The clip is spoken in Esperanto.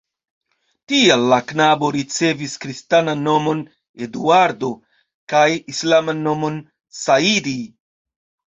Tial la knabo ricevis kristanan nomon (Eduardo) kaj islaman nomon (Saidi).